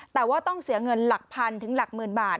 แต่ว่าต้องเสียเงินหลักพันถึงหลักหมื่นบาท